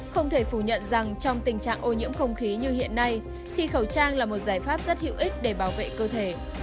không thể phủ nhận rằng trong tình trạng ô nhiễm không khí như hiện nay thì khẩu trang là một giải pháp rất hữu ích để bảo vệ cơ thể